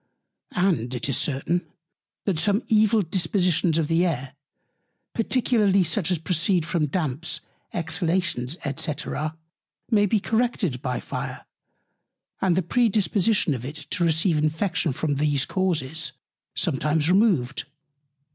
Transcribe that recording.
And it is certain, that some evil Dispositions of the Air, particularly such as proceed from Damps, Exhalations, &c. may be corrected by Fire, and the Predisposition of it to receive Infection from these Causes sometimes removed.